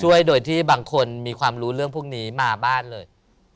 ช่วยโดยที่บางคนมีความรู้เรื่องพวกนี้มาบ้านเลย